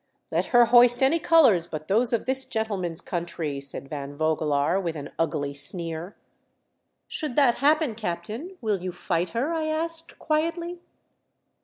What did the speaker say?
" Let her hoist any colours but those of this gentleman's country !" said Van Vogelaar, with an ugly sneer. " Should that happen, captain, will you fight her .'*" I asked, quietly.